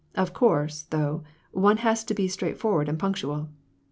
Of course, though, one has to be straightforward and punctual."